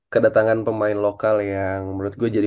kedatangan pemain lokal yang menurut gue jadi